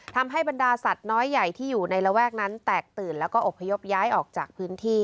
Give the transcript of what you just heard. ทำให้บรรดาสัตว์น้อยใหญ่ที่อยู่ในระแวกนั้นแตกตื่นแล้วก็อบพยพย้ายออกจากพื้นที่